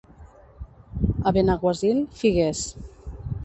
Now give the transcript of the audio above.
A Benaguasil, figuers.